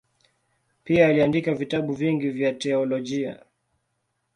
Pia aliandika vitabu vingi vya teolojia.